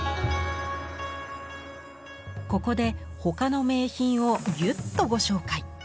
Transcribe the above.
ここで他の名品をぎゅっとご紹介。